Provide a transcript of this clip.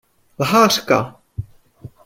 Lhářka!